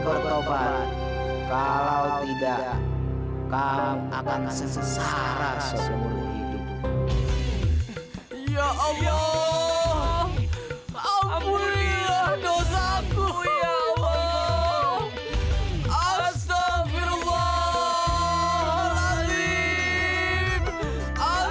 bertaubat kalau tidak kau akan sesehara seumur hidup ya allah ampunilah dosaku ya allah